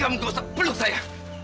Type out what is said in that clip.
kamu gosok peluk saya